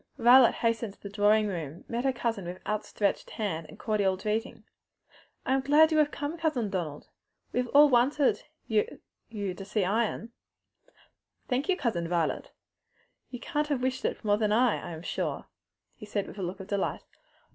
Violet hastening to the drawing room, met her cousin with outstretched hand and cordial greeting. "I am so glad you have come, Cousin Donald! We have all wanted you to see Ion." "Thank you, Cousin Violet; you can't have wished it more than I, I am sure," he said, with a look of delight.